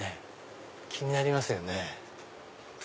気になりますよね。